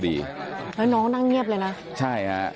เพราะน้องนั่งเงียบเลยนะ